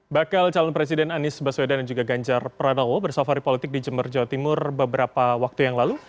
bakal calon presiden anies baswedan dan juga ganjar pranowo bersafari politik di jember jawa timur beberapa waktu yang lalu